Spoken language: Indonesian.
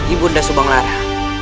ibunda subang lara